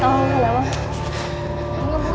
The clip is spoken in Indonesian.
kamu tau gak ada apa